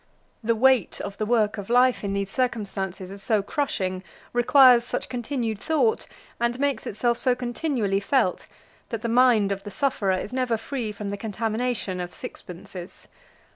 The weight of the work of life in these circumstances is so crushing, requires such continued thought, and makes itself so continually felt, that the mind of the sufferer is never free from the contamination of sixpences.